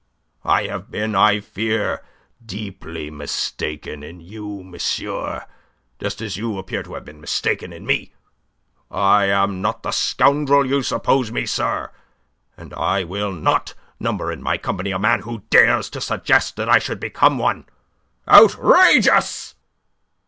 I have been, I fear, deeply mistaken in you, monsieur; just as you appear to have been mistaken in me. I am not the scoundrel you suppose me, sir, and I will not number in my company a man who dares to suggest that I should become one. Outrageous!"